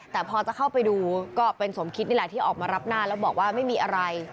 แต่พอจะเข้าไปดูก็เป็นสมคิดนี่แหละที่ออกมารับหน้าแล้วบอกว่าไม่มีอะไร